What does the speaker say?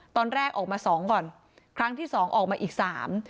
ตอนแรกออกมาสองก่อนครั้งที่สองออกมาอีกสาม